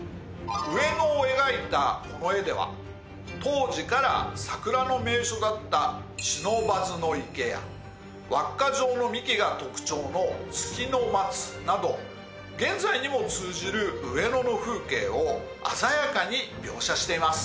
上野を描いたこの絵では当時から桜の名所だった不忍池や輪っか状の幹が特徴の月の松など現在にも通じる上野の風景を鮮やかに描写しています。